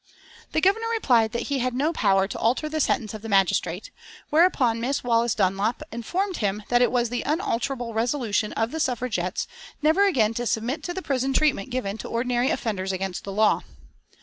The Governor replied that he had no power to alter the sentence of the magistrate, whereupon Miss Wallace Dunlop informed him that it was the unalterable resolution of the Suffragettes never again to submit to the prison treatment given to ordinary offenders against the law.